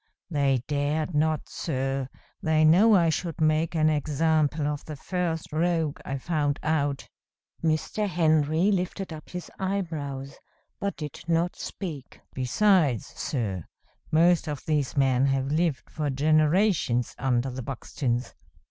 They dared not, sir; they know I should make an example of the first rogue I found out." Mr. Henry lifted up his eyebrows, but did not speak. "Besides, sir, most of these men have lived for generations under the Buxtons.